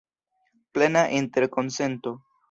Plena interkonsento.